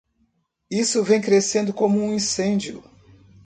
Isso vem crescendo como um incêndio!